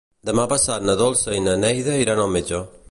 Demà passat na Dolça i na Neida iran al metge.